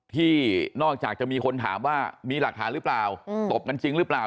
ที่นอกจากจะมีคนถามว่ามีหลักฐานหรือเปล่าตบกันจริงหรือเปล่า